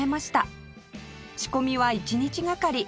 仕込みは一日がかり